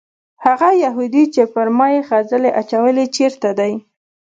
هغه یهودي چې پر ما یې خځلې اچولې چېرته دی؟